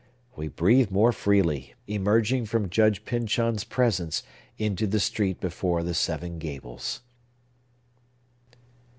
We breathe more freely, emerging from Judge Pyncheon's presence into the street before the Seven Gables.